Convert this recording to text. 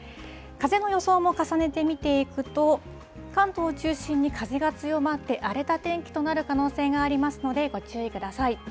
風の予想も重ねて見ていくと、関東を中心に風が強まって、荒れた天気となる可能性がありますので、ご注意ください。